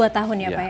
dua tahun ya pak ya